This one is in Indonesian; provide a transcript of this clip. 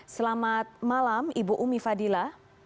selamat malam ibu umi fadila